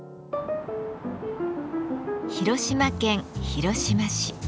広島県広島市。